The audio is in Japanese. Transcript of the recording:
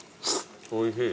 おいしい。